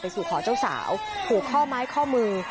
ไปสู่ขอเจ้าสาวถูกเข้าไม้เข้ามือ